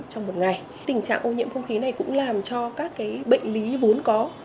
trong một ngày tình trạng ô nhiễm không khí này cũng làm cho các bệnh lý vốn có